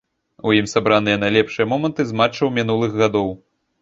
У ім сабраныя найлепшыя моманты з матчаў мінулых гадоў.